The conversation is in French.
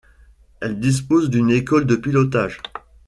Elle dispose d'une école de pilotage.